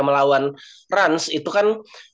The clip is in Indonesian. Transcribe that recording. melawan rans itu kan